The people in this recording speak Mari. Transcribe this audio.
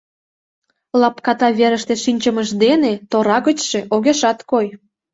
Лапката верыште шинчымыж дене тора гычше огешат кой.